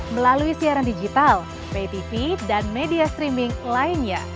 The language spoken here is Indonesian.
melalui siaran digital pay tv dan media streaming lainnya